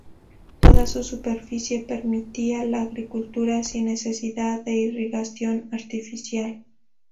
Toda su superficie permitía la agricultura sin necesidad de irrigación artificial.